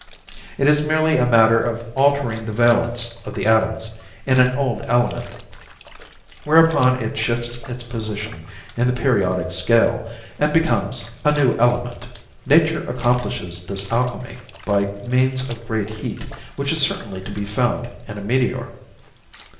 It is merely a matter of altering the valence of the atoms in an old element; whereupon it shifts its position in the periodic scale and becomes a new element. Nature accomplishes this alchemy by means of great heat, which is certainly to be found in a meteor."